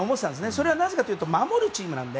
それはなぜかというと守るチームなので。